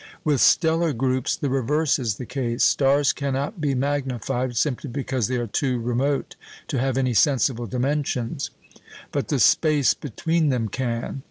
With stellar groups the reverse is the case. Stars cannot be magnified, simply because they are too remote to have any sensible dimensions; but the space between them can.